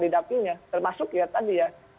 di dapilnya termasuk ya tadi ya